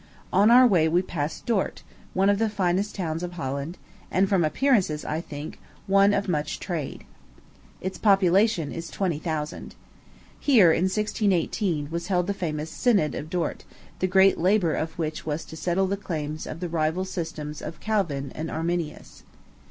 On our way we passed Dort, one of the finest towns of Holland, and from appearances, I think, one of much trade. Its population is twenty thousand. Here, in 1618, was held the famous Synod of Dort, the great labor of which was to settle the claims of the rival systems of Calvin and Arminius.